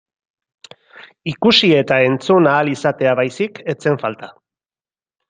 Ikusi eta entzun ahal izatea baizik ez zen falta.